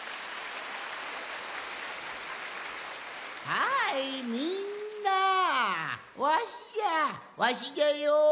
はいみんなわしじゃわしじゃよ。